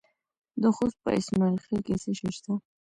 د خوست په اسماعیل خیل کې څه شی شته؟